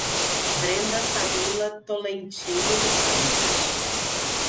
Brenda Samila Tolentino dos Santos